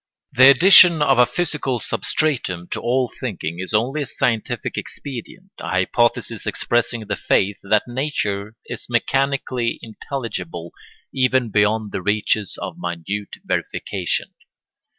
The addition of a physical substratum to all thinking is only a scientific expedient, a hypothesis expressing the faith that nature is mechanically intelligible even beyond the reaches of minute verification.